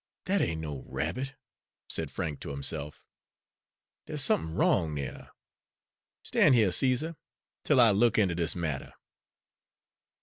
"Dat ain't no rabbit," said Frank to himself. "Dere's somethin' wrong dere. Stan' here, Caesar, till I look inter dis matter."